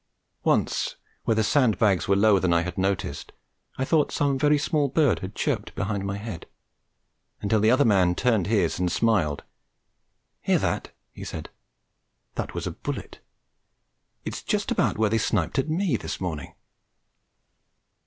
Once, where the sand bags were lower than I had noticed, I thought some very small bird had chirped behind my head, until the other man turned his and smiled. 'Hear that?' he said. 'That was a bullet! It's just about where they sniped at me this morning.'